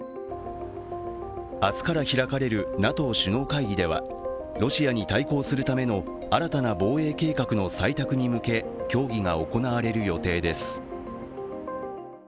明日から開かれるＮＡＴＯ首脳会議では、ロシアに対抗するための新たな防衛計画の採択に向け協議が行われる予定です。